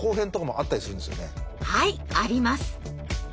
はいあります！